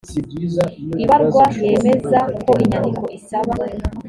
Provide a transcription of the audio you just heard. ibarwa yemeza ko inyandiko isaba